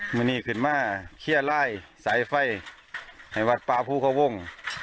มินี่ขึ้นมาเคี้ยลายสายไฟให้หวัดปลาผู้เขาว่ง